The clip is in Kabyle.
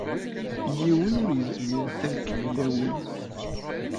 Yiwen ur yezmir ad kem-yawey.